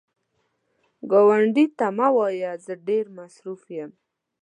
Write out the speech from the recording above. ګاونډي ته مه وایه “زه ډېر مصروف یم”